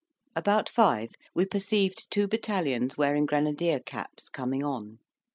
About five, we perceived two battalions wearing grenadier caps coming on.